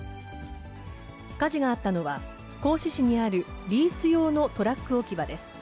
火事があったのは、合志市にあるリース用のトラック置き場です。